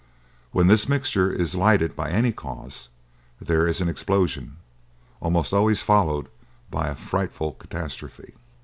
When this mixture is lighted by any cause, there is an explosion, almost always followed by a frightful catastrophe.